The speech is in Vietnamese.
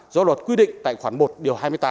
do luật quy định tại khoản một điều hai mươi tám